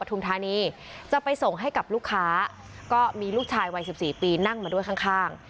ทุมธานีจะไปส่งให้กับลูกค้าก็มีลูกชายวัย๑๔ปีนั่งมาด้วยข้าง